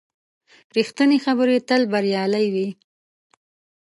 ریښتینې خبرې تل بریالۍ وي.